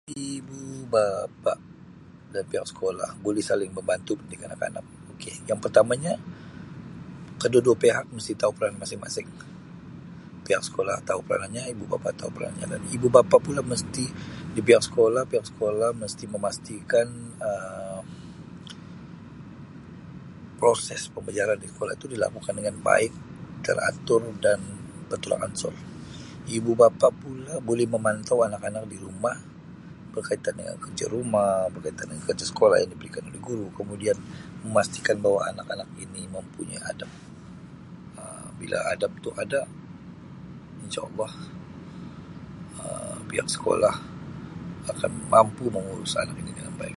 Ibu bapa dan juga pihak sekolah boleh saling membantu mendidik anak-anak. Yang pertamanya kedua-dua pihak mesti tau peranan masing-masing, pihak sekolah tahu perannya, ibu bapa tahu perannya. Ibu bapa pula mesti pihak sekolah, pihak sekolah oulak mesti memastikan Um proses pembelajaran di sekolah itu berlaku baik teratur dan bertolak ansur, ibu bapa pula boleh memantau anak-anak di rumah berkaitan dengan kerja rumah berkaitan kerja sekolah yang diberikan oleh guru kemudian memastikan bahawa anak-anak ini mempunyai adab, bila adab tu insha'Allah pihak sekolah akan menjag anak ini baik baik.